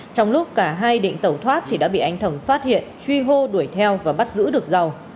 trong lúc cả hai định tẩu thoát thì đã bị anh thồng phát hiện truy hô đuổi theo và bắt giữ được giàu